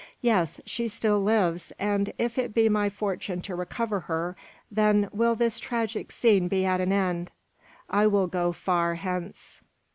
Yes, she still lives; and if it be my fortune to recover her, then will this tragic scene be at an end. I will go far hence."